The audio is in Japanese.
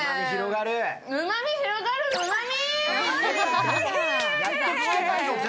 うまみ広がる、うまみ。